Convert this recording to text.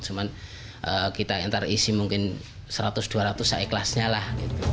cuman kita ntar isi mungkin seratus dua ratus seikhlasnya lah